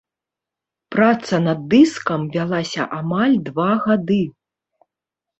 Праца над дыскам вялася амаль два гады.